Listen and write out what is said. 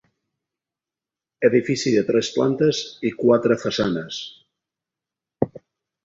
Edifici de tres plantes i quatre façanes.